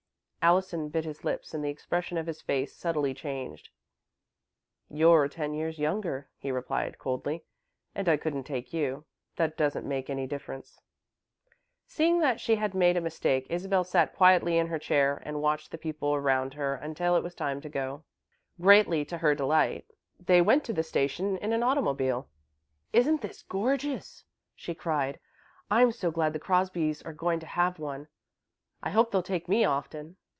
Allison bit his lips and the expression of his face subtly changed. "You're ten years younger," he replied, coldly, "and I couldn't take you. That doesn't make any difference." Seeing that she had made a mistake, Isabel sat quietly in her chair and watched the people around her until it was time to go. Greatly to her delight, they went to the station in an automobile. "Isn't this glorious!" she cried. "I'm so glad the Crosbys are going to have one. I hope they'll take me often."